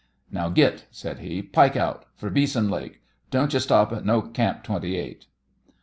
"Now git!" said he. "Pike out! fer Beeson Lake. Don't you stop at no Camp Twenty eight!"